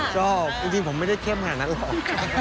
ก็จริงผมไม่ได้เข้มขนาดนั้นหรอก